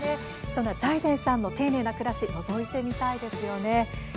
そんな財前さんの丁寧な暮らしのぞいてみたいなですよね。